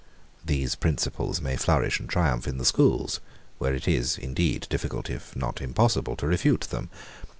These principles may flourish and triumph in the schools; where it is, indeed, difficult, if not impossible, to refute them.